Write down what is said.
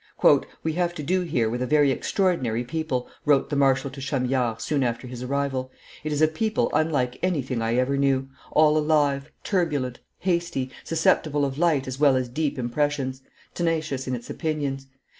"We have to do here with a very extraordinary people," wrote the marshal to Chamillard, soon after his arrival; "it is a people unlike anything I ever knew all alive, turbulent, hasty, susceptible of light as well as deep impressions, tenacious in its opinions.